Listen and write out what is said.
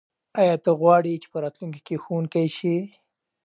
آیا ته غواړې چې په راتلونکي کې ښوونکی شې؟